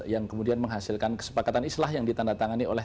yang kemudian menghasilkan kesepakatan islah yang ditandatangani oleh